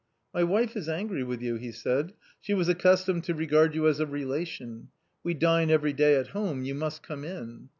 " My wife is angry with you," he said : "she was accus tomed to regard you as a relation: we dine every day at home ; you must come in."